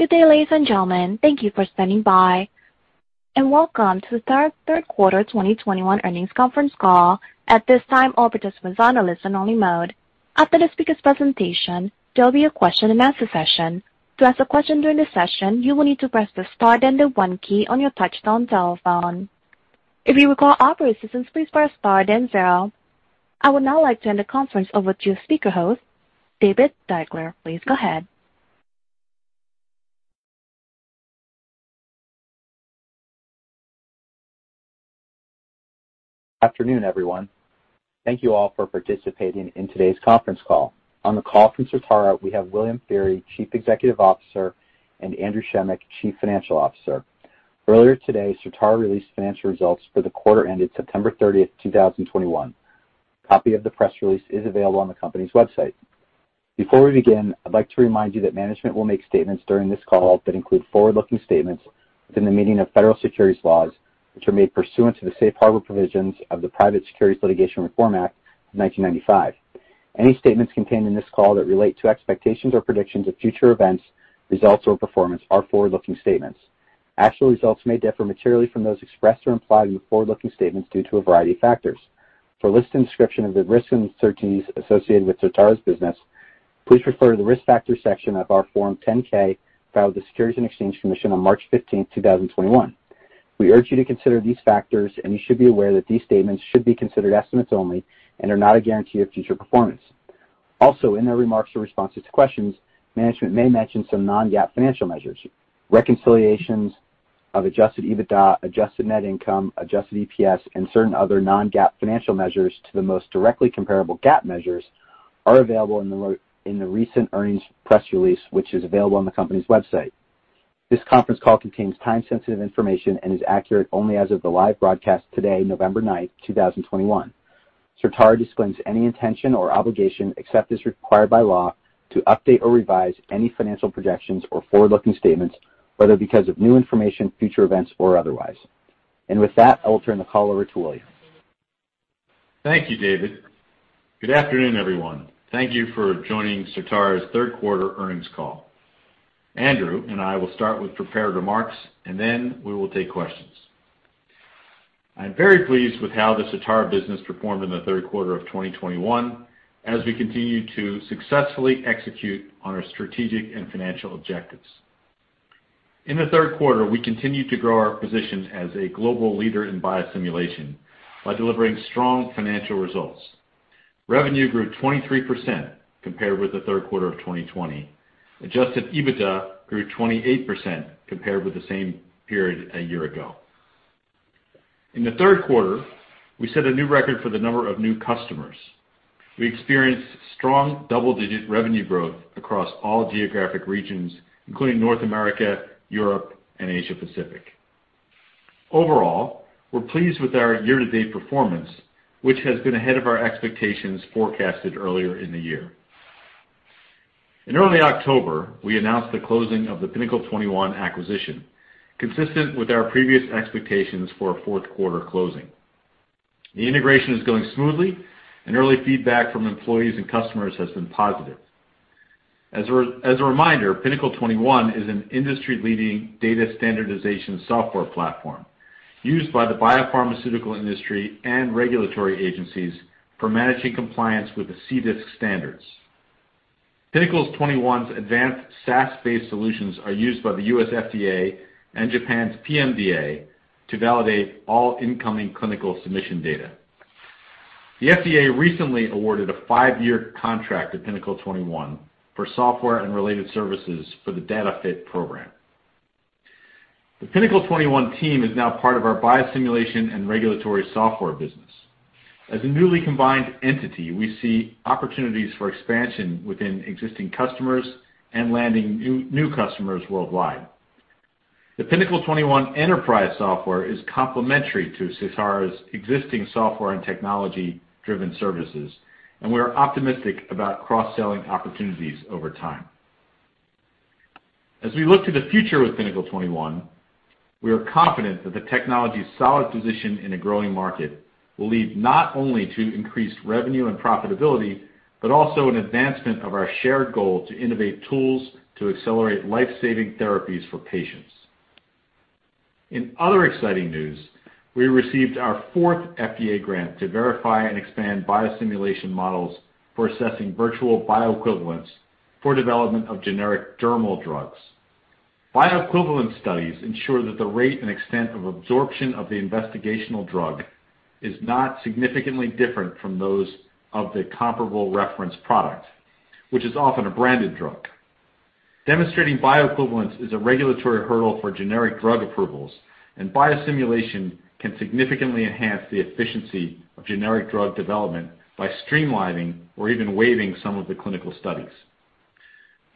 Good day, ladies and gentlemen. Thank you for standing by, and welcome to the third quarter 2021 earnings conference call. At this time, all participants are in a listen-only mode. After the speakers' presentation, there'll be a question-and-answer session. To ask a question during the session, you will need to press the star then the one key on your touchtone telephone. If you require operator assistance, please press star then zero. I would now like to hand the conference over to speaker host, David Deuchler. Please go ahead. Afternoon, everyone. Thank you all for participating in today's conference call. On the call from Certara, we have William Feehery, Chief Executive Officer, and Andrew Schemick, Chief Financial Officer. Earlier today, Certara released financial results for the quarter ending September 30, 2021. Copy of the press release is available on the company's website. Before we begin, I'd like to remind you that management will make statements during this call that include forward-looking statements within the meaning of federal securities laws, which are made pursuant to the safe harbor provisions of the Private Securities Litigation Reform Act of 1995. Any statements contained in this call that relate to expectations or predictions of future events, results or performance are forward-looking statements. Actual results may differ materially from those expressed or implied in the forward-looking statements due to a variety of factors. For a list and description of the risks and uncertainties associated with Certara's business, please refer to the Risk Factors section of our Form 10-K filed with the Securities and Exchange Commission on March 15, 2021. We urge you to consider these factors, and you should be aware that these statements should be considered estimates only and are not a guarantee of future performance. Also, in their remarks or responses to questions, management may mention some Non-GAAP financial measures. Reconciliations of adjusted EBITDA adjusted net income, adjusted EPS and certain other Non-GAAP financial measures to the most directly comparable GAAP measures are available in the recent earnings press release, which is available on the company's website. This conference call contains time-sensitive information and is accurate only as of the live broadcast today, November 9, 2021. Certara disclaims any intention or obligation, except as required by law, to update or revise any financial projections or forward-looking statements, whether because of new information, future events, or otherwise. With that, I'll turn the call over to William. Thank you, David. Good afternoon, everyone. Thank you for joining Certara's third quarter earnings call. Andrew and I will start with prepared remarks, and then we will take questions. I'm very pleased with how the Certara business performed in the third quarter of 2021, as we continue to successfully execute on our strategic and financial objectives. In the third quarter, we continued to grow our position as a global leader in biosimulation by delivering strong financial results. Revenue grew 23% compared with the third quarter of 2020. Adjusted EBITDA grew 28% compared with the same period a year ago. In the third quarter, we set a new record for the number of new customers. We experienced strong double-digit revenue growth across all geographic regions, including North America, Europe, and Asia Pacific. Overall, we're pleased with our year-to-date performance, which has been ahead of our expectations forecasted earlier in the year. In early October, we announced the closing of the Pinnacle 21 acquisition, consistent with our previous expectations for a fourth quarter closing. The integration is going smoothly, and early feedback from employees and customers has been positive. As a reminder, Pinnacle 21 is an industry-leading data standardization software platform used by the biopharmaceutical industry and regulatory agencies for managing compliance with the CDISC standards. Pinnacle 21's advanced SaaS-based solutions are used by the U.S. FDA and Japan's PMDA to validate all incoming clinical submission data. The FDA recently awarded a five-year contract to Pinnacle 21 for software and related services for the DataFit program. The Pinnacle 21 team is now part of our biosimulation and regulatory software business. As a newly combined entity, we see opportunities for expansion within existing customers and landing new customers worldwide. The Pinnacle 21 enterprise software is complementary to Certara's existing software and technology-driven services, and we are optimistic about cross-selling opportunities over time. As we look to the future with Pinnacle 21, we are confident that the technology's solid position in a growing market will lead not only to increased revenue and profitability, but also an advancement of our shared goal to innovate tools to accelerate life-saving therapies for patients. In other exciting news, we received our fourth FDA grant to verify and expand biosimulation models for assessing virtual bioequivalence for development of generic dermal drugs. Bioequivalence studies ensure that the rate and extent of absorption of the investigational drug is not significantly different from those of the comparable reference product, which is often a branded drug. Demonstrating bioequivalence is a regulatory hurdle for generic drug approvals, and biosimulation can significantly enhance the efficiency of generic drug development by streamlining or even waiving some of the clinical studies.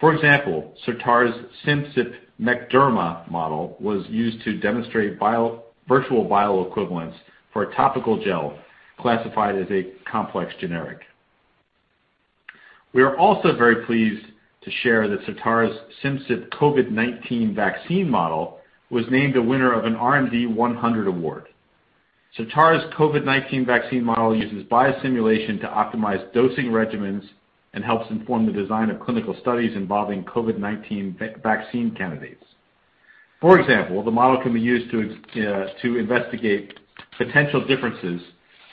For example, Certara's Simcyp MechDermA model was used to demonstrate virtual bioequivalence for a topical gel classified as a complex generic. We are also very pleased to share that Certara's Simcyp COVID-19 vaccine model was named the winner of an R&D 100 award. Certara's COVID-19 vaccine model uses biosimulation to optimize dosing regimens and helps inform the design of clinical studies involving COVID-19 vaccine candidates. For example, the model can be used to investigate potential differences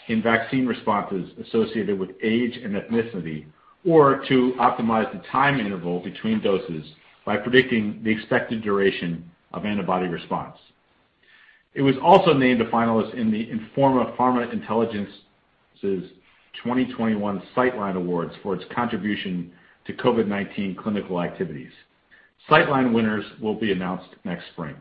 in vaccine responses associated with age and ethnicity, or to optimize the time interval between doses by predicting the expected duration of antibody response. It was also named a finalist in the Informa Pharma Intelligence's 2021 Citeline Awards for its contribution to COVID-19 clinical activities. Citeline winners will be announced next spring.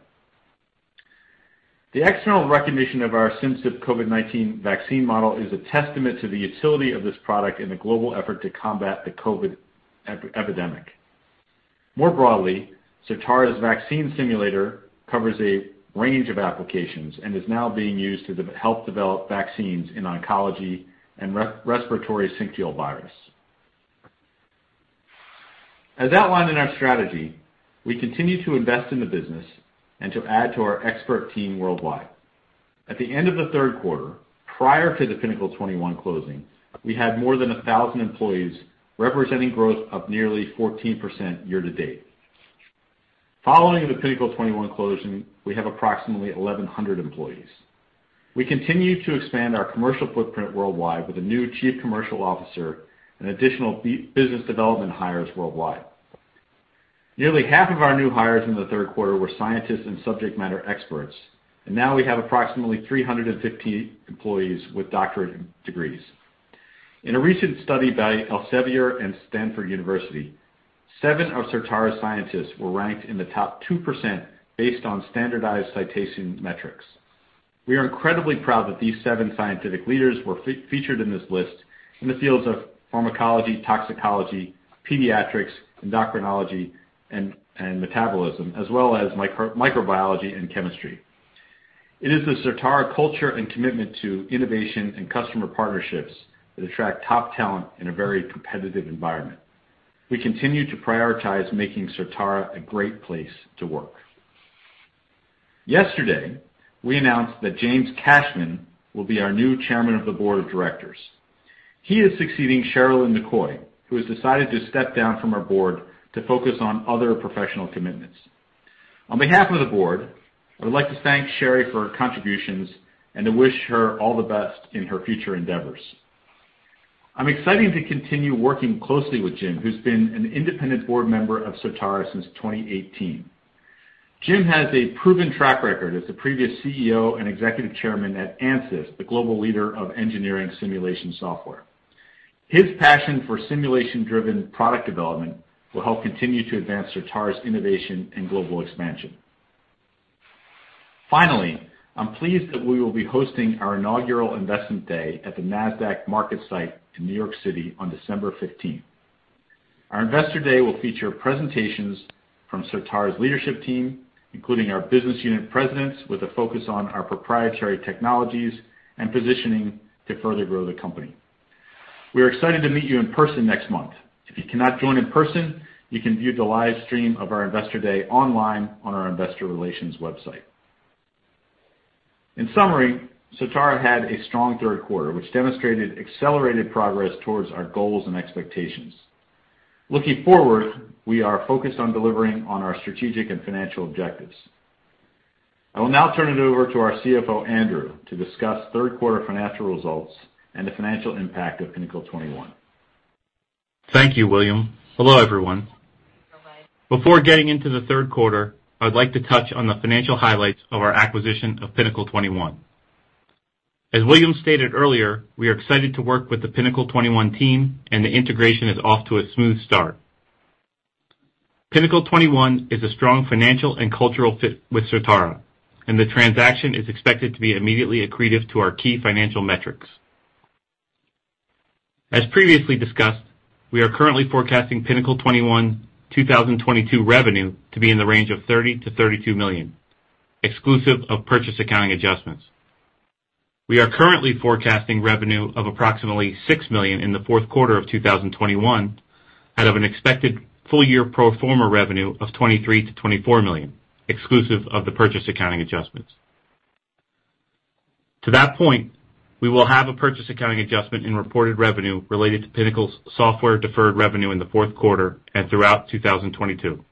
The external recognition of our Simcyp COVID-19 vaccine model is a testament to the utility of this product in the global effort to combat the COVID epidemic. More broadly, Certara's vaccine simulator covers a range of applications and is now being used to help develop vaccines in oncology and respiratory syncytial virus. As outlined in our strategy, we continue to invest in the business and to add to our expert team worldwide. At the end of the third quarter, prior to the Pinnacle 21 closing, we had more than 1,000 employees, representing growth of nearly 14% year-to-date. Following the Pinnacle 21 closing, we have approximately 1,100 employees. We continue to expand our commercial footprint worldwide with a new chief commercial officer and additional business development hires worldwide. Nearly half of our new hires in the third quarter were scientists and subject matter experts, and now we have approximately 350 employees with doctorate degrees. In a recent study by Elsevier and Stanford University, seven of Certara's scientists were ranked in the top 2% based on standardized citation metrics. We are incredibly proud that these seven scientific leaders were featured in this list in the fields of pharmacology, toxicology, pediatrics, endocrinology, and metabolism, as well as microbiology and chemistry. It is the Certara culture and commitment to innovation and customer partnerships that attract top talent in a very competitive environment. We continue to prioritize making Certara a great place to work. Yesterday, we announced that James Cashman will be our new chairman of the board of directors. He is succeeding Sherilyn McCoy, who has decided to step down from our board to focus on other professional commitments. On behalf of the board, I would like to thank Sherry for her contributions and to wish her all the best in her future endeavors. I'm excited to continue working closely with Jim, who's been an independent board member of Certara since 2018. Jim has a proven track record as the previous CEO and executive chairman at Ansys, the global leader of engineering simulation software. His passion for simulation-driven product development will help continue to advance Certara's innovation and global expansion. Finally, I'm pleased that we will be hosting our inaugural investment day at the Nasdaq MarketSite in New York City on December 15. Our investor day will feature presentations from Certara's leadership team, including our business unit presidents with a focus on our proprietary technologies and positioning to further grow the company. We are excited to meet you in person next month. If you cannot join in person, you can view the live stream of our investor day online on our investor relations website. In summary, Certara had a strong third quarter, which demonstrated accelerated progress towards our goals and expectations. Looking forward, we are focused on delivering on our strategic and financial objectives. I will now turn it over to our CFO, Andrew, to discuss third quarter financial results and the financial impact of Pinnacle 21. Thank you, William. Hello, everyone. Before getting into the third quarter, I'd like to touch on the financial highlights of our acquisition of Pinnacle 21. As William stated earlier, we are excited to work with the Pinnacle 21 team, and the integration is off to a smooth start. Pinnacle 21 is a strong financial and cultural fit with Certara, and the transaction is expected to be immediately accretive to our key financial metrics. As previously discussed, we are currently forecasting Pinnacle 21 2022 revenue to be in the range of $30 million-$32 million, exclusive of purchase accounting adjustments. We are currently forecasting revenue of approximately $6 million in the fourth quarter of 2021 out of an expected full year pro forma revenue of $23 million-$24 million, exclusive of the purchase accounting adjustments. To that point, we will have a purchase accounting adjustment in reported revenue related to Pinnacle 21's software deferred revenue in the fourth quarter and throughout 2022.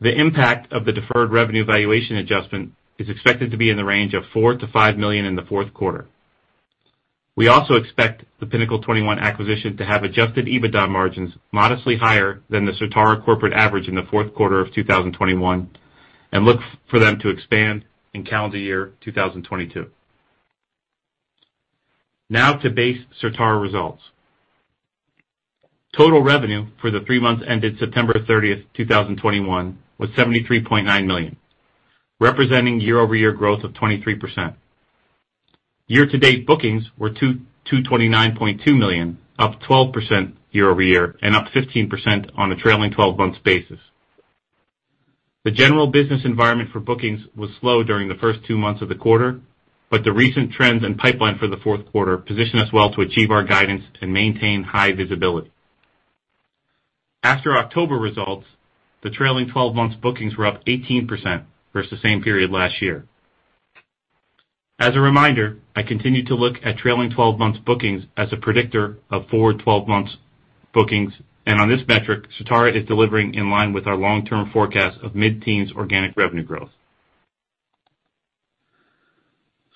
The impact of the deferred revenue valuation adjustment is expected to be in the range of $4 million-$5 million in the fourth quarter. We also expect the Pinnacle 21 acquisition to have adjusted EBITDA margins modestly higher than the Certara corporate average in the fourth quarter of 2021, and look for them to expand in calendar year 2022. Now to base Certara results. Total revenue for the three months ended September 30, 2021, was $73.9 million, representing year-over-year growth of 23%. Year-to-date bookings were $29.2 million, up 12% year over year and up 15% on a trailing 12-month basis. The general business environment for bookings was slow during the first two months of the quarter, but the recent trends and pipeline for the fourth quarter position us well to achieve our guidance and maintain high visibility. After October results, the trailing twelve months bookings were up 18% versus the same period last year. As a reminder, I continue to look at trailing twelve months bookings as a predictor of forward twelve months bookings. On this metric, Certara is delivering in line with our long-term forecast of mid-teens organic revenue growth.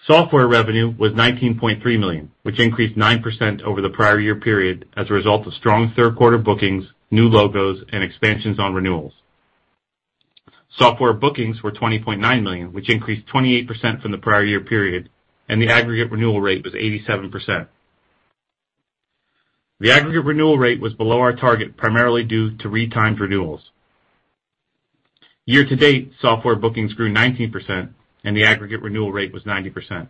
Software revenue was $19.3 million, which increased 9% over the prior year period as a result of strong third quarter bookings, new logos, and expansions on renewals. Software bookings were $20.9 million, which increased 28% from the prior year period, and the aggregate renewal rate was 87%. The aggregate renewal rate was below our target, primarily due to re-timed renewals. Year-to-date, software bookings grew 19% and the aggregate renewal rate was 90%.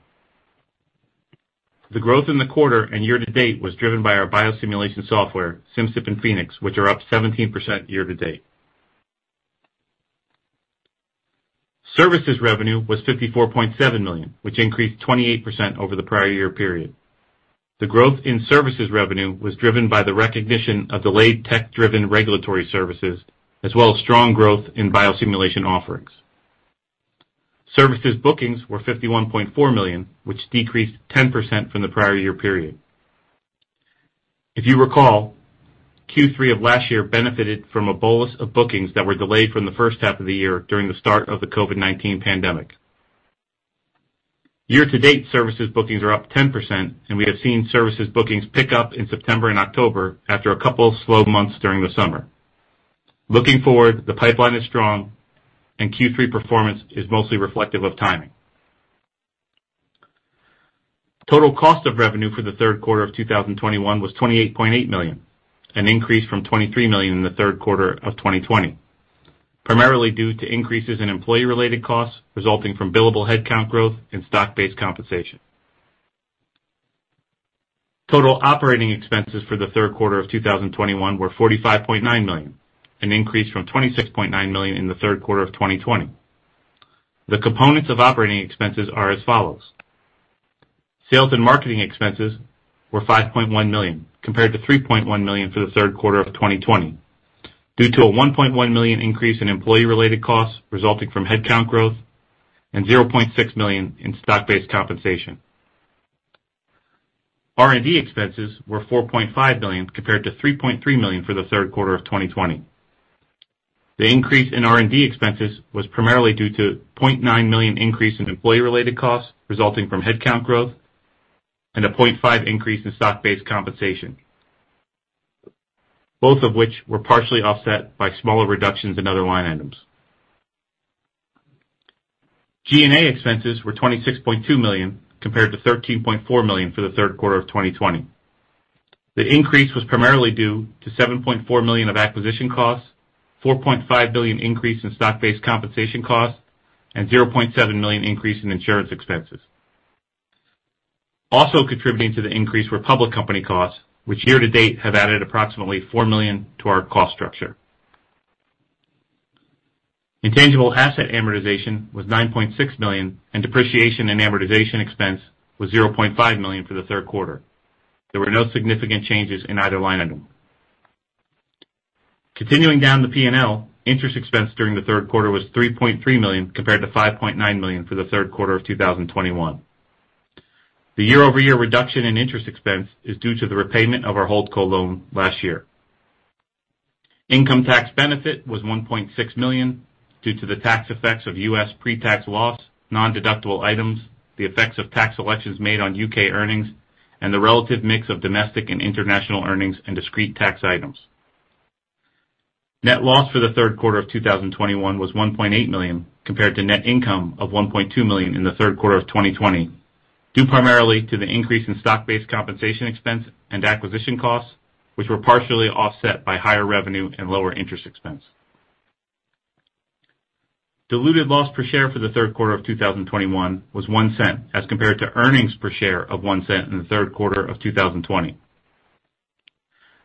The growth in the quarter and year-to-date was driven by our biosimulation software, Simcyp and Phoenix, which are up 17% year-to-date. Services revenue was $54.7 million, which increased 28% over the prior year period. The growth in services revenue was driven by the recognition of delayed tech-driven regulatory services, as well as strong growth in biosimulation offerings. Services bookings were $51.4 million, which decreased 10% from the prior year period. If you recall, Q3 of last year benefited from a bolus of bookings that were delayed from the first half of the year during the start of the COVID-19 pandemic. Year-to-date, services bookings are up 10%, and we have seen services bookings pick up in September and October after a couple of slow months during the summer. Looking forward, the pipeline is strong and Q3 performance is mostly reflective of timing. Total cost of revenue for the third quarter of 2021 was $28.8 million, an increase from $23 million in the third quarter of 2020, primarily due to increases in employee-related costs resulting from billable headcount growth and stock-based compensation. Total operating expenses for the third quarter of 2021 were $45.9 million, an increase from $26.9 million in the third quarter of 2020. The components of operating expenses are as follows: Sales and marketing expenses were $5.1 million, compared to $3.1 million for the third quarter of 2020, due to a $1.1 million increase in employee-related costs resulting from headcount growth and $0.6 million in stock-based compensation. R&D expenses were $4.5 million compared to $3.3 million for the third quarter of 2020. The increase in R&D expenses was primarily due to a $0.9 million increase in employee-related costs resulting from headcount growth and a $0.5 million increase in stock-based compensation, both of which were partially offset by smaller reductions in other line items. G&A expenses were $26.2 million compared to $13.4 million for the third quarter of 2020. The increase was primarily due to $7.4 million of acquisition costs, $4.5 million increase in stock-based compensation costs, and $0.7 million increase in insurance expenses. Also contributing to the increase were public company costs, which year-to-date have added approximately $4 million to our cost structure. Intangible asset amortization was $9.6 million, and depreciation and amortization expense was $0.5 million for the third quarter. There were no significant changes in either line item. Continuing down the P&L, interest expense during the third quarter was $3.3 million compared to $5.9 million for the third quarter of 2021. The year-over-year reduction in interest expense is due to the repayment of our holdco loan last year. Income tax benefit was $1.6 million due to the tax effects of U.S. pre-tax loss, non-deductible items, the effects of tax elections made on U.K. earnings, and the relative mix of domestic and international earnings and discrete tax items. Net loss for the third quarter of 2021 was $1.8 million compared to net income of $1.2 million in the third quarter of 2020, due primarily to the increase in stock-based compensation expense and acquisition costs, which were partially offset by higher revenue and lower interest expense. Diluted loss per share for the third quarter of 2021 was $0.01 as compared to earnings per share of $0.01 in the third quarter of 2020.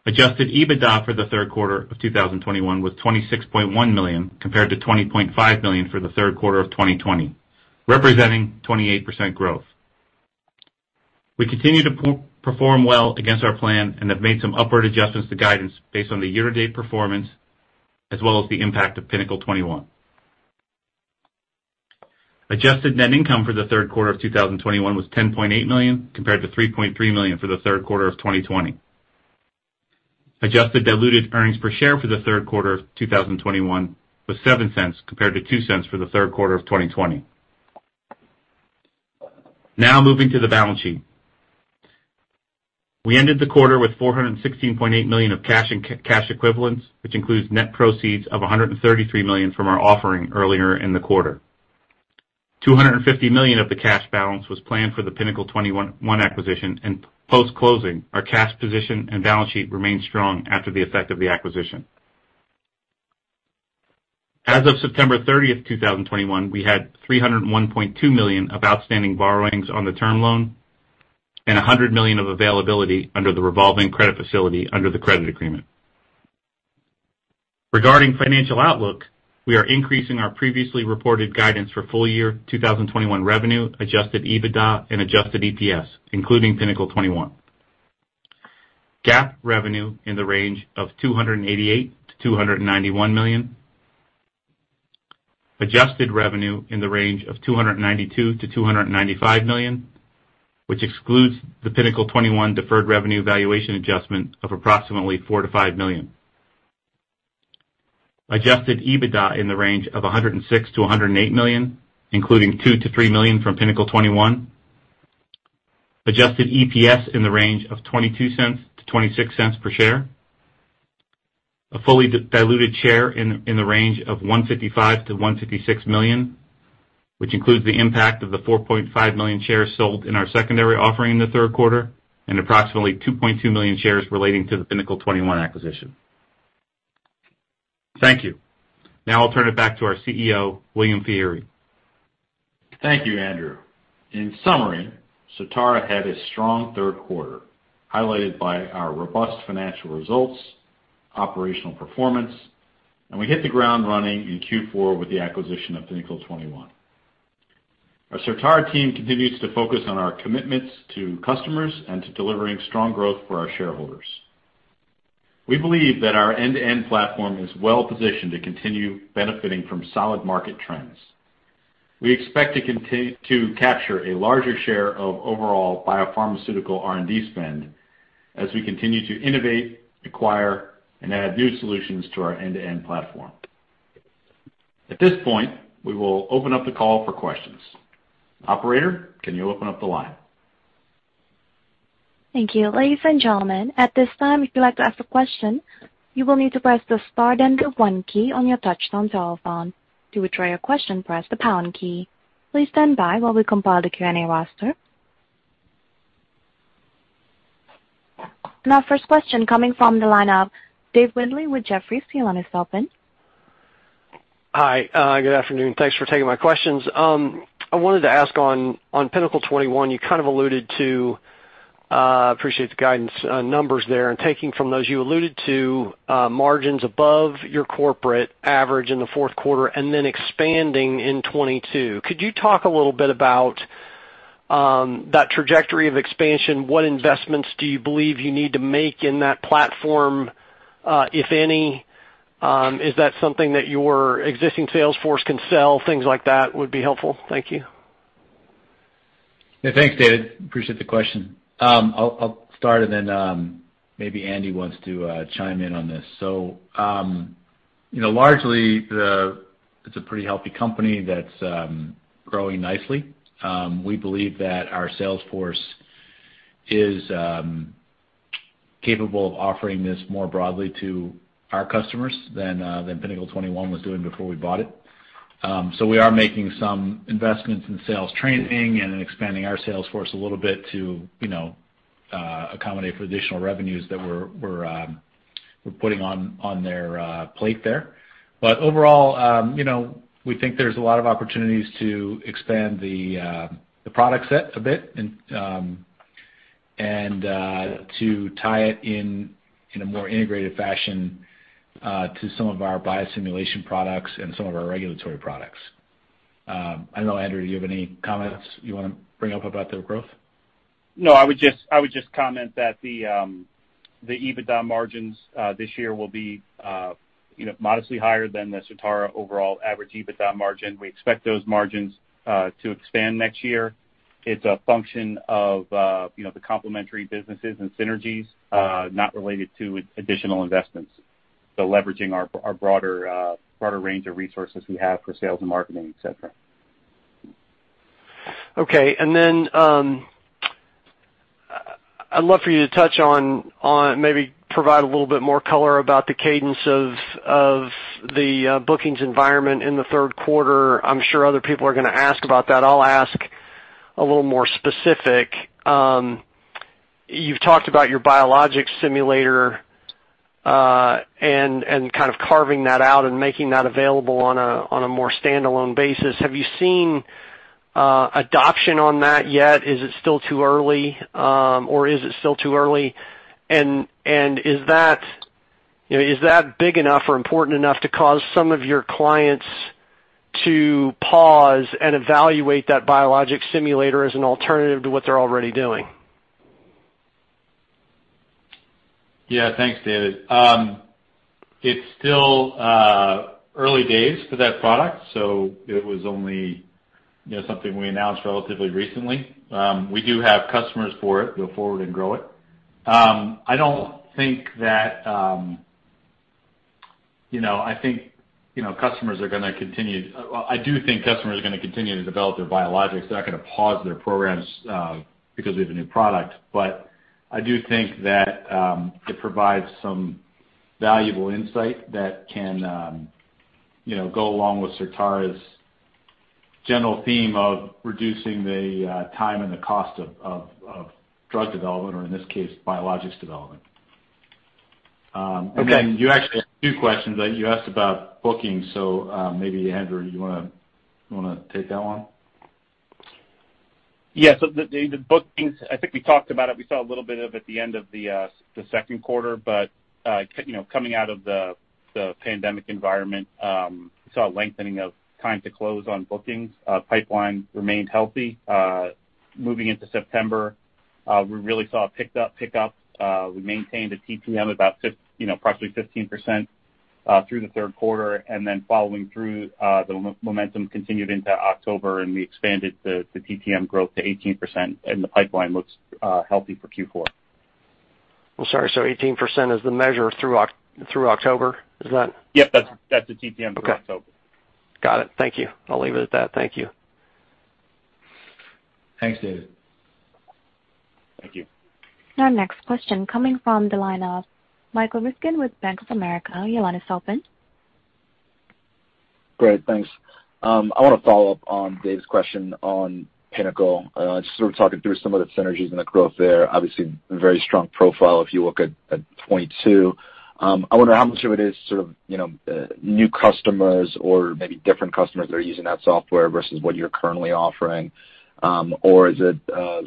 Adjusted EBITDA for the third quarter of 2021 was $26.1 million compared to $20.5 million for the third quarter of 2020, representing 28% growth. We continue to perform well against our plan and have made some upward adjustments to guidance based on the year-to-date performance as well as the impact of Pinnacle 21. Adjusted net income for the third quarter of 2021 was $10.8 million compared to $3.3 million for the third quarter of 2020. Adjusted diluted earnings per share for the third quarter of 2021 was $0.07 compared to $0.02 for the third quarter of 2020. Now moving to the balance sheet. We ended the quarter with $416.8 million of cash and cash equivalents, which includes net proceeds of $133 million from our offering earlier in the quarter. $250 million of the cash balance was planned for the Pinnacle 21 acquisition, and post-closing, our cash position and balance sheet remained strong after the effect of the acquisition. As of September 30, 2021, we had $301.2 million of outstanding borrowings on the term loan and $100 million of availability under the revolving credit facility under the credit agreement. Regarding financial outlook, we are increasing our previously reported guidance for full year 2021 revenue, adjusted EBITDA, and adjusted EPS, including Pinnacle 21. GAAP revenue in the range of $288 million-$291 million. Adjusted revenue in the range of $292 million-$295 million, which excludes the Pinnacle 21 deferred revenue valuation adjustment of approximately $4 million-$5 million. Adjusted EBITDA in the range of $106 million-$108 million, including $2 million-$3 million from Pinnacle 21. Adjusted EPS in the range of $0.22-$0.26 per share. A fully diluted share count in the range of 155 million-156 million, which includes the impact of the 4.5 million shares sold in our secondary offering in the third quarter and approximately 2.2 million shares relating to the Pinnacle 21 acquisition. Thank you. Now I'll turn it back to our CEO, William Feehery. Thank you, Andrew. In summary, Certara had a strong third quarter, highlighted by our robust financial results, operational performance, and we hit the ground running in Q4 with the acquisition of Pinnacle 21. Our Certara team continues to focus on our commitments to customers and to delivering strong growth for our shareholders. We believe that our end-to-end platform is well-positioned to continue benefiting from solid market trends. We expect to capture a larger share of overall biopharmaceutical R&D spend as we continue to innovate, acquire, and add new solutions to our end-to-end platform. At this point, we will open up the call for questions. Operator, can you open up the line? Thank you. Ladies and gentlemen, at this time, if you'd like to ask a question, you will need to press the star then the one key on your touchtone telephone. To withdraw your question, press the pound key. Please stand by while we compile the Q&A roster. Our first question coming from the line of Dave Windley with Jefferies. Your line is open. Hi, good afternoon. Thanks for taking my questions. I wanted to ask on Pinnacle 21. You kind of alluded to. I appreciate the guidance numbers there. Taking from those, you alluded to margins above your corporate average in the fourth quarter and then expanding in 2022. Could you talk a little bit about that trajectory of expansion? What investments do you believe you need to make in that platform, if any? Is that something that your existing sales force can sell? Things like that would be helpful. Thank you. Yeah, thanks, David. Appreciate the question. I'll start and then maybe Andy wants to chime in on this. It's a pretty healthy company that's growing nicely. We believe that our sales force is capable of offering this more broadly to our customers than Pinnacle 21 was doing before we bought it. We are making some investments in sales training and in expanding our sales force a little bit to accommodate for additional revenues that we're putting on their plate there. Overall, you know, we think there's a lot of opportunities to expand the product set a bit and to tie it in in a more integrated fashion to some of our biosimulation products and some of our regulatory products. I don't know, Andrew, do you have any comments you wanna bring up about their growth? No, I would just comment that the EBITDA margins this year will be you know modestly higher than the Certara overall average EBITDA margin. We expect those margins to expand next year. It's a function of you know the complementary businesses and synergies not related to additional investments. Leveraging our broader range of resources we have for sales and marketing, et cetera. Okay. I'd love for you to touch on maybe provide a little bit more color about the cadence of the bookings environment in the third quarter. I'm sure other people are gonna ask about that. I'll ask a little more specific. You've talked about your biologics simulator and kind of carving that out and making that available on a more standalone basis. Have you seen adoption on that yet? Is it still too early? And is that, you know, big enough or important enough to cause some of your clients to pause and evaluate that biologic simulator as an alternative to what they're already doing? Yeah. Thanks, David. It's still early days for that product, so it was only, you know, something we announced relatively recently. We do have customers for it going forward and grow it. Well, I do think customers are gonna continue to develop their biologics. They're not gonna pause their programs because we have a new product. I do think that it provides some valuable insight that can, you know, go along with Certara's general theme of reducing the time and the cost of drug development or in this case, biologics development. Okay. You actually had two questions. You asked about bookings, so, maybe Andrew, you wanna take that one? Yes. The bookings, I think we talked about it. We saw a little bit of at the end of the second quarter, but you know, coming out of the pandemic environment, we saw a lengthening of time to close on bookings. Pipeline remained healthy. Moving into September, we really saw a pick up. We maintained a TTM about you know, approximately 15% through the third quarter. Following through, the momentum continued into October, and we expanded the TTM growth to 18%, and the pipeline looks healthy for Q4. Well, sorry, 18% is the measure through October? Is that- Yep. That's the TTM through October. Okay. Got it. Thank you. I'll leave it at that. Thank you. Thanks, David. Thank you. Our next question coming from the line of Michael Ryskin with Bank of America. Your line is open. Great, thanks. I wanna follow up on Dave's question on Pinnacle. Just sort of talking through some of the synergies and the growth there, obviously a very strong profile if you look at 2022. I wonder how much of it is sort of, you know, new customers or maybe different customers that are using that software versus what you're currently offering, or is it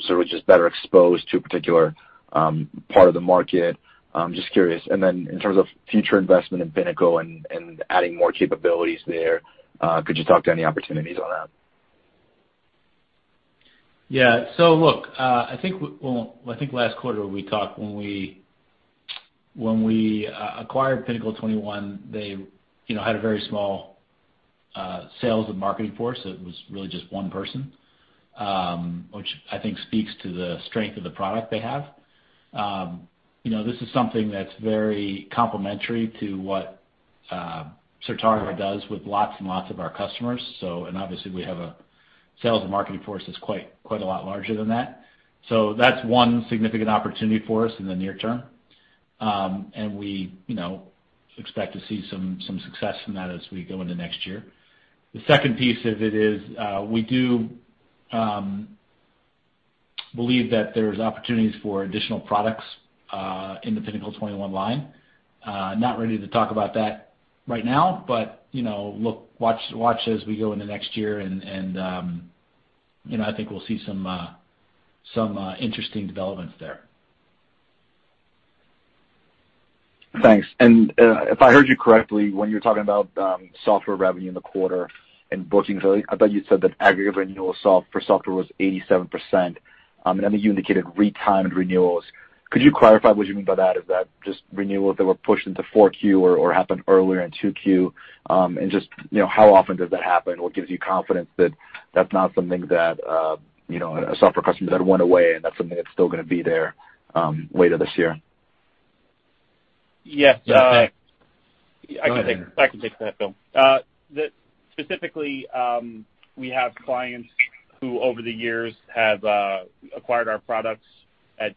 sort of just better exposed to a particular part of the market? I'm just curious. And then in terms of future investment in Pinnacle and adding more capabilities there, could you talk to any opportunities on that? Yeah. Look, I think last quarter we talked when we acquired Pinnacle 21, they, you know, had a very small sales and marketing force. It was really just one person, which I think speaks to the strength of the product they have. You know, this is something that's very complementary to what Certara does with lots and lots of our customers. Obviously we have a sales and marketing force that's quite a lot larger than that. That's one significant opportunity for us in the near term. We, you know, expect to see some success from that as we go into next year. The second piece of it is, we do believe that there's opportunities for additional products in the Pinnacle 21 line. Not ready to talk about that right now, but you know, look, watch as we go into next year and you know, I think we'll see some interesting developments there. Thanks. If I heard you correctly, when you were talking about software revenue in the quarter and bookings early, I thought you said that aggregate renewal for software was 87%. I think you indicated retimed renewals. Could you clarify what you mean by that? Is that just renewals that were pushed into Q4 or happened earlier in Q2? Just, you know, how often does that happen? What gives you confidence that that's not something that, you know, a software customer that went away and that's something that's still gonna be there, later this year? Yes. Yeah, I can take that, Will. Specifically, we have clients who over the years have acquired our products at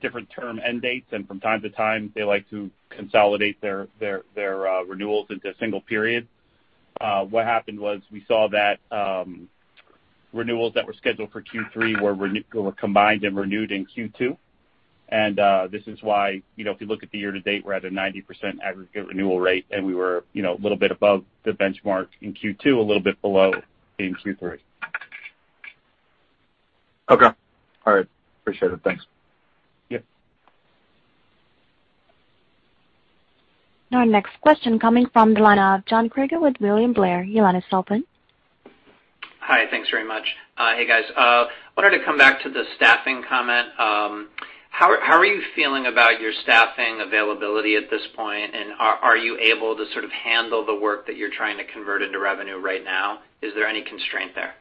different term end dates, and from time to time, they like to consolidate their renewals into a single period. What happened was we saw that renewals that were scheduled for Q3 were combined and renewed in Q2. This is why, you know, if you look at the year to date, we're at a 90% aggregate renewal rate, and we were, you know, a little bit above the benchmark in Q2, a little bit below in Q3. Okay. All right. Appreciate it. Thanks. Yep. Our next question coming from the line of John Kreger with William Blair. Your line is open. Hi. Thanks very much. Hey, guys. Wanted to come back to the staffing comment. How are you feeling about your staffing availability at this point? Are you able to sort of handle the work that you're trying to convert into revenue right now? Is there any constraint there?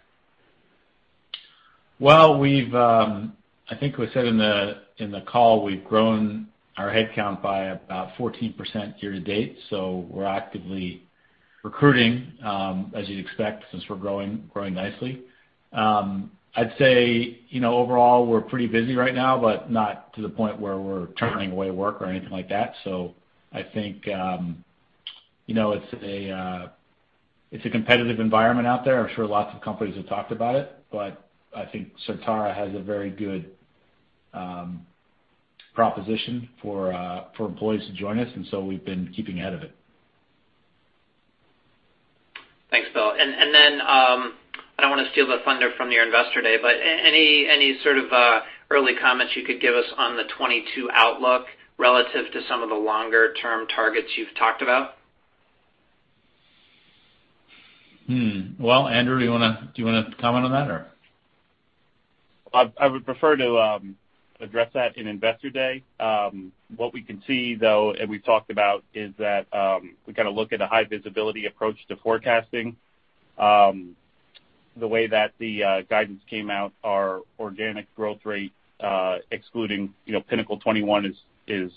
Well, I think we said in the call, we've grown our headcount by about 14% year to date, so we're actively recruiting, as you'd expect since we're growing nicely. I'd say, you know, overall, we're pretty busy right now, but not to the point where we're turning away work or anything like that. I think, you know, it's a competitive environment out there. I'm sure lots of companies have talked about it, but I think Certara has a very good proposition for employees to join us, and so we've been keeping ahead of it. Thanks, Will. I don't wanna steal the thunder from your Investor Day, but any sort of early comments you could give us on the 2022 outlook relative to some of the longer term targets you've talked about? Well, Andrew, do you wanna comment on that or? I would prefer to address that in Investor Day. What we can see, though, and we've talked about, is that we kind of look at a high visibility approach to forecasting. The way that the guidance came out, our organic growth rate, excluding, you know, Pinnacle 21 is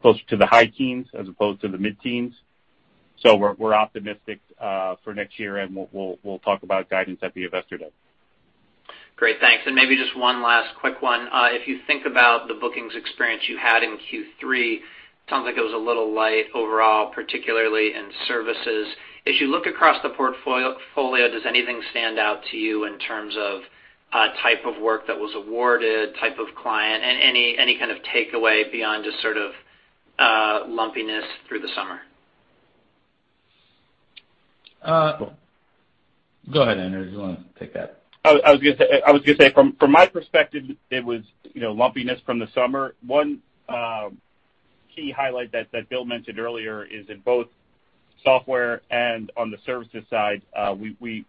closer to the high teens as opposed to the mid-teens. We're optimistic for next year, and we'll talk about guidance at the Investor Day. Great. Thanks. Maybe just one last quick one. If you think about the bookings experience you had in Q3, sounds like it was a little light overall, particularly in services. As you look across the portfolio, does anything stand out to you in terms of, type of work that was awarded, type of client, any kind of takeaway beyond just sort of, lumpiness through the summer? Uh- Go ahead, Andrew. Do you wanna take that? I was gonna say from my perspective, it was, you know, lumpiness from the summer. One key highlight that Will mentioned earlier is in both software and on the services side, we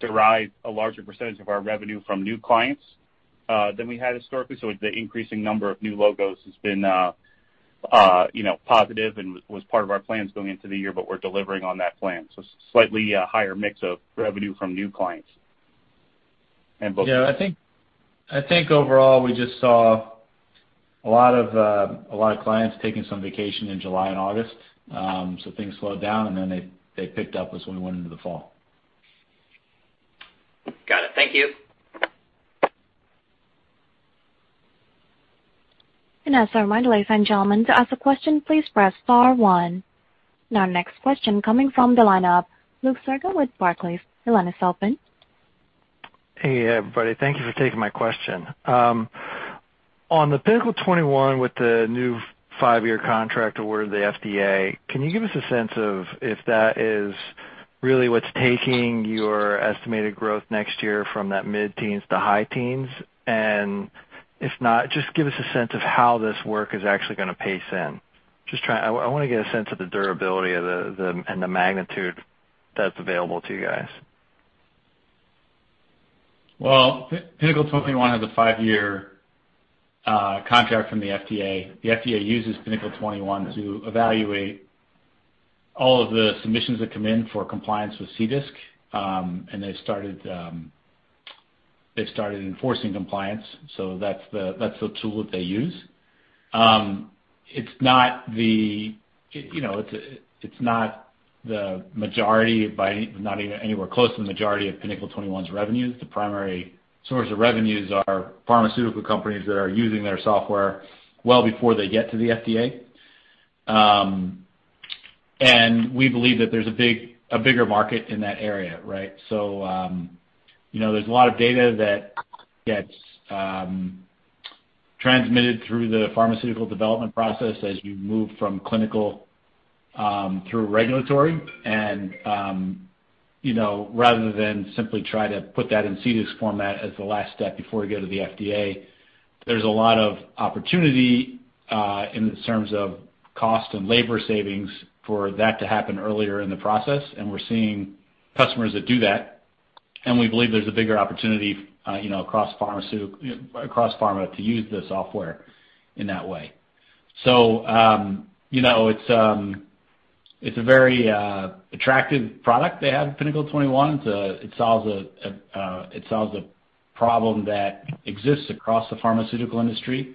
derive a larger percentage of our revenue from new clients than we had historically. The increasing number of new logos has been, you know, positive and was part of our plans going into the year, but we're delivering on that plan. Slightly higher mix of revenue from new clients. Both- Yeah, I think overall we just saw a lot of clients taking some vacation in July and August. Things slowed down and then they picked up as we went into the fall. Got it. Thank you. As a reminder, ladies and gentlemen, to ask a question, please press star one. Now next question coming from the line of Luke Sergott with Barclays. Your line is open. Hey, everybody. Thank you for taking my question. On the Pinnacle 21 with the new five-year contract award, the FDA, can you give us a sense of if that is really what's taking your estimated growth next year from that mid-teens% to high-teens%? If not, just give us a sense of how this work is actually gonna pace in. Just trying to get a sense of the durability of the magnitude that's available to you guys. Well, Pinnacle 21 has a five-year contract from the FDA. The FDA uses Pinnacle 21 to evaluate all of the submissions that come in for compliance with CDISC. They've started enforcing compliance, so that's the tool that they use. It's not the, you know, it's not the majority but not even anywhere close to the majority of Pinnacle 21's revenues. The primary source of revenues are pharmaceutical companies that are using their software well before they get to the FDA. We believe that there's a bigger market in that area, right? You know, there's a lot of data that gets transmitted through the pharmaceutical development process as you move from clinical through regulatory. You know, rather than simply try to put that in CDISC format as the last step before we go to the FDA, there's a lot of opportunity in terms of cost and labor savings for that to happen earlier in the process, and we're seeing customers that do that. We believe there's a bigger opportunity, you know, across pharma to use the software in that way. You know, it's a very attractive product they have, Pinnacle 21. It solves a problem that exists across the pharmaceutical industry.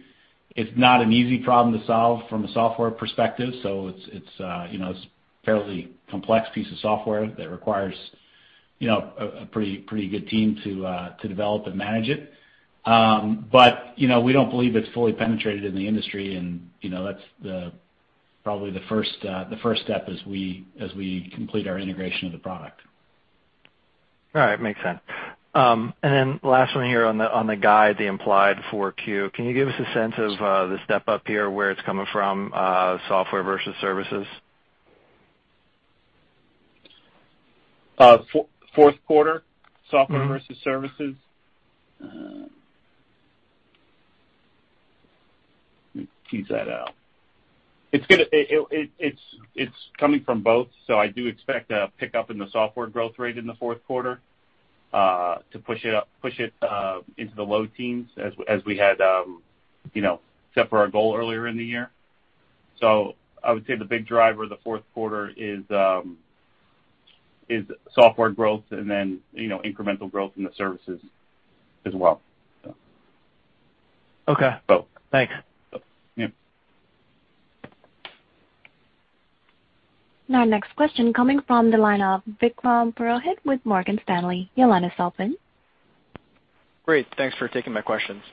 It's not an easy problem to solve from a software perspective, so it's, you know, a fairly complex piece of software that requires, you know, a pretty good team to develop and manage it. You know, we don't believe it's fully penetrated in the industry and, you know, that's probably the first step as we complete our integration of the product. All right. Makes sense. Last one here on the guide, the implied 4Q, can you give us a sense of the step-up here, where it's coming from, software versus services? Fourth quarter. Software versus services? Let me tease that out. It's coming from both. I do expect a pickup in the software growth rate in the fourth quarter to push it up into the low teens as we had you know set for our goal earlier in the year. I would say the big driver of the fourth quarter is software growth and then you know incremental growth in the services as well. Okay. Both. Thanks. Both. Yeah. Now next question coming from the line of Vikram Purohit with Morgan Stanley. Your line is open. Great. Thanks for taking my questions.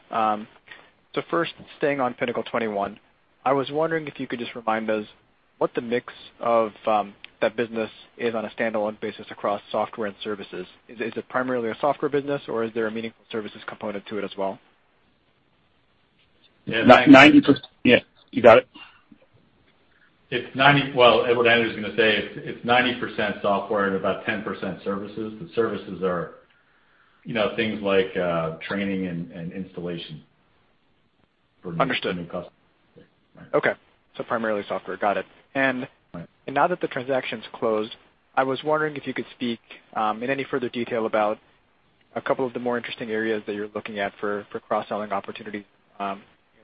So first, staying on Pinnacle 21, I was wondering if you could just remind us what the mix of that business is on a standalone basis across software and services. Is it primarily a software business or is there a meaningful services component to it as well? Yeah, 90- 90 per- Yeah, you got it? Well, what Andrew is gonna say, it's 90% software and about 10% services. The services are, you know, things like training and installation for new- Understood. New customers. Yeah. Okay. Primarily software. Got it. Right. Now that the transaction's closed, I was wondering if you could speak in any further detail about a couple of the more interesting areas that you're looking at for cross-selling opportunity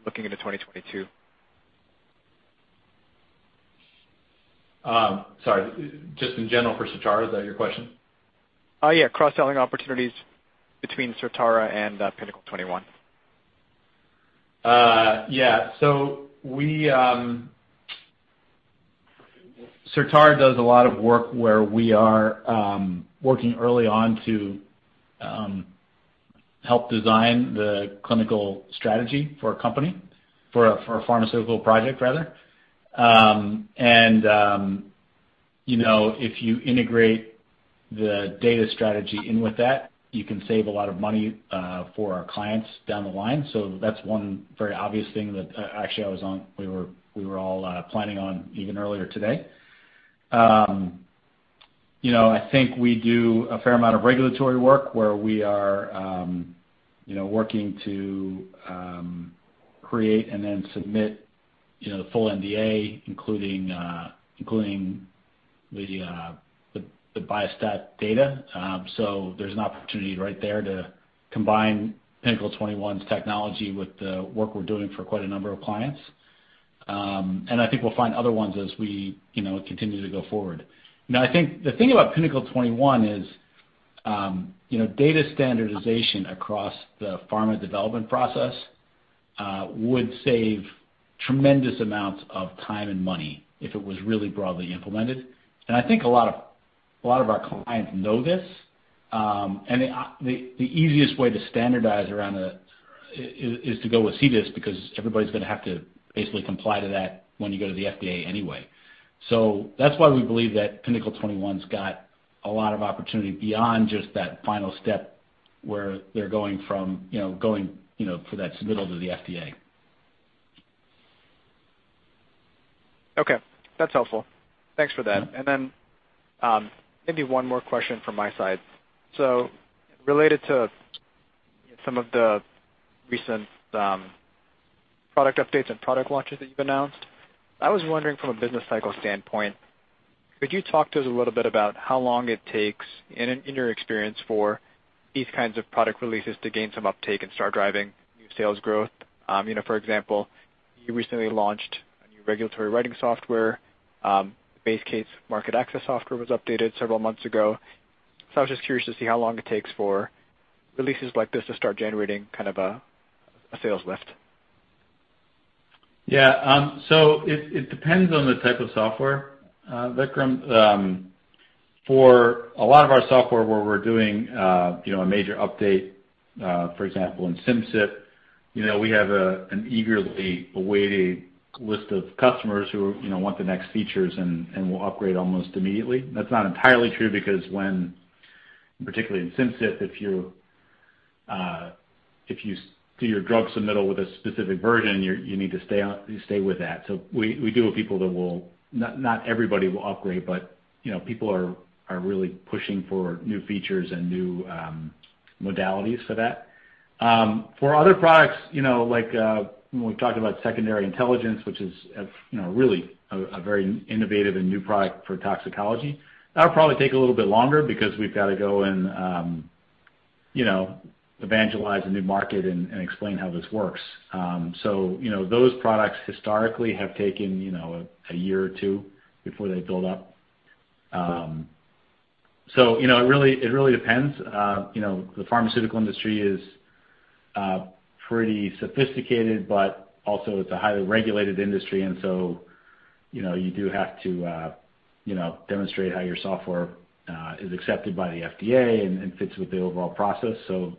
looking into 2022. Sorry. Just in general for Certara, is that your question? Cross-selling opportunities between Certara and Pinnacle 21. Certara does a lot of work where we are working early on to help design the clinical strategy for a pharmaceutical project, rather. You know, if you integrate the data strategy in with that, you can save a lot of money for our clients down the line. That's one very obvious thing that actually we were all planning on even earlier today. You know, I think we do a fair amount of regulatory work where we are working to create and then submit the full NDA, including the biostat data. There's an opportunity right there to combine Pinnacle 21's technology with the work we're doing for quite a number of clients. I think we'll find other ones as we, you know, continue to go forward. Now, I think the thing about Pinnacle 21 is, you know, data standardization across the pharma development process would save tremendous amounts of time and money if it was really broadly implemented. I think a lot of our clients know this. The easiest way to standardize around it is to go with CDISC because everybody's gonna have to basically comply to that when you go to the FDA anyway. That's why we believe that Pinnacle 21's got a lot of opportunity beyond just that final step where they're going for that submittal to the FDA. Okay. That's helpful. Thanks for that. Maybe one more question from my side. Related to some of the recent product updates and product launches that you've announced, I was wondering from a business cycle standpoint, could you talk to us a little bit about how long it takes in your experience for these kinds of product releases to gain some uptake and start driving new sales growth? You know, for example, you recently launched a new regulatory writing software. Base case market access software was updated several months ago. I was just curious to see how long it takes for releases like this to start generating kind of a sales lift. Yeah. So it depends on the type of software, Vikram. For a lot of our software where we're doing you know a major update for example in Simcyp you know we have an eagerly awaited list of customers who you know want the next features and will upgrade almost immediately. That's not entirely true because when particularly in Simcyp if you do your drug submittal with a specific version you need to stay with that. So we deal with people that will not everybody will upgrade but you know people are really pushing for new features and new modalities for that. For other products, you know, like, when we've talked about Secondary Intelligence, which is, you know, really a very innovative and new product for toxicology, that'll probably take a little bit longer because we've got to go and, you know, evangelize a new market and explain how this works. You know, those products historically have taken, you know, a year or two before they build up. It really depends. You know, the pharmaceutical industry is pretty sophisticated, but also it's a highly regulated industry. You know, you do have to, you know, demonstrate how your software is accepted by the FDA and fits with the overall process. You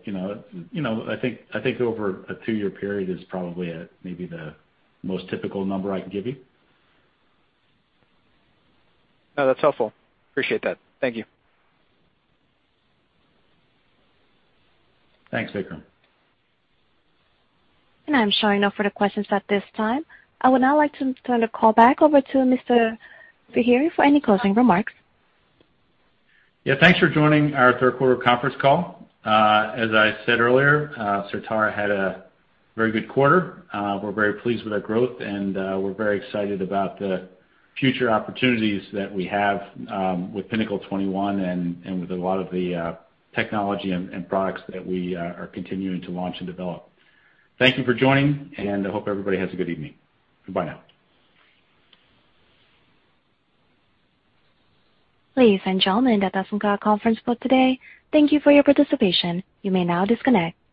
know, I think over a two-year period is probably maybe the most typical number I can give you. No, that's helpful. Appreciate that. Thank you. Thanks, Vikram. I'm showing no further questions at this time. I would now like to turn the call back over to Mr. Feehery for any closing remarks. Yeah, thanks for joining our third quarter conference call. As I said earlier, Certara had a very good quarter. We're very pleased with our growth, and we're very excited about the future opportunities that we have with Pinnacle 21 and with a lot of the technology and products that we are continuing to launch and develop. Thank you for joining, and I hope everybody has a good evening. Bye now. Ladies and gentlemen, that does end our conference call today. Thank you for your participation. You may now disconnect.